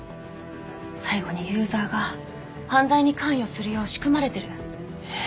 最後にユーザーが犯罪に関与するよう仕組まれてる。